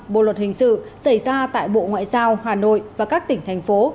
bộ luật hình sự xảy ra tại bộ ngoại giao hà nội và các tỉnh thành phố